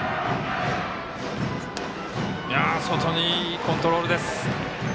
外にいいコントロールです。